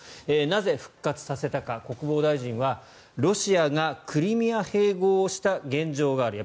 なぜ復活させたか、国防大臣はロシアがクリミア併合した現状がある